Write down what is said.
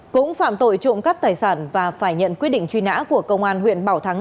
cũng phạm tội trộm cắp tài sản và phải nhận quyết định truy nã của công an huyện bảo thắng